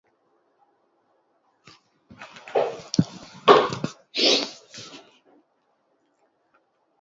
Kostaldean hodeitsu egongo da goizean goizetik.